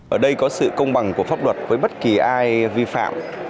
ở đây có sự công bằng của pháp luật với bất kỳ ai vi phạm